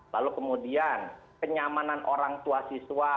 lalu kemudian kenyamanan orang tua siswa